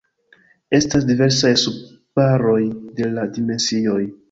Estas diversaj subaroj de la dimensioj.